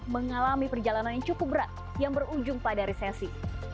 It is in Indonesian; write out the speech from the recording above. mengalami perjalanan yang cukup berat yang berujung pada resesi